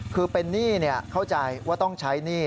คือเป็นหนี้เข้าใจว่าต้องใช้หนี้